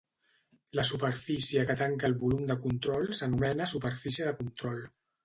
La superfície que tanca el volum de control s'anomena superfície de control.